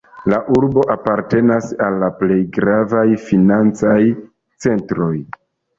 La urbo apartenas al la plej gravaj financaj centroj.